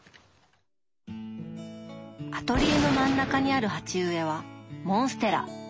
アトリエの真ん中にある鉢植えはモンステラ！